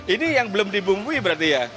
ini yang belum dibungkui berarti ya